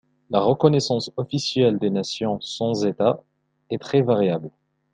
La reconnaissance officielle des nations sans État est très variable.